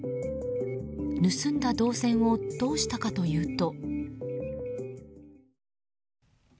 盗んだ銅線をどうしたかというと。